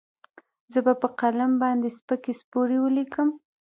زه به په قلم باندې سپکې سپورې وليکم.